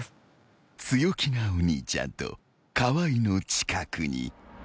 ［強気なお兄ちゃんと河合の近くに］